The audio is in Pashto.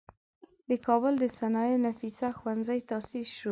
د کابل د صنایعو نفیسه ښوونځی تاسیس شو.